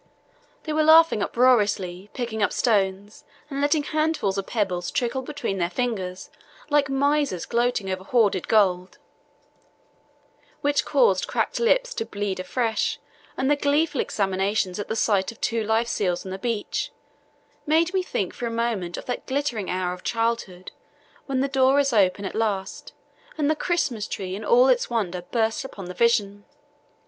They were laughing uproariously, picking up stones and letting handfuls of pebbles trickle between their fingers like misers gloating over hoarded gold. The smiles and laughter, which caused cracked lips to bleed afresh, and the gleeful exclamations at the sight of two live seals on the beach made me think for a moment of that glittering hour of childhood when the door is open at last and the Christmas tree in all its wonder bursts upon the vision.